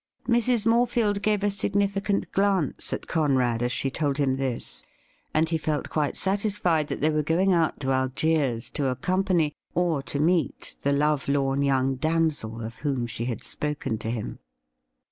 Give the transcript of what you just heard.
Mrs. Morefield gave a signifi cant glance at Conrad as she told him this, and he felt quite satisfied that they were going out to Algiers to accompany or to meet the love lorn young damsel of JIM'S NEW ACQUAINTANCES 81 whom she had spoken to him.